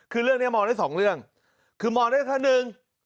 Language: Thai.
คือเรื่องนี้มองได้สองเรื่องคือมองได้ขั้นหนึ่ง